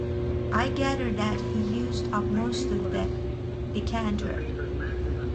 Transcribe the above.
I gather that he used up most of the decanter.